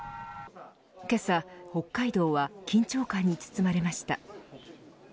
けさ、北海道は緊張感に包まれました。